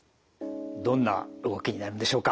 どんな動きになるんでしょうか？